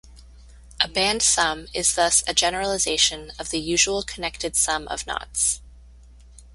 A band sum is thus a generalization of the usual connected sum of knots.